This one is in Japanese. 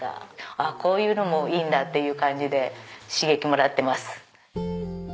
ああこういうのもいいんだっていう感じで刺激もらってます。